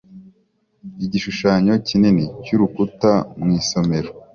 Igishushanyo kinini cy'urukuta mu isomero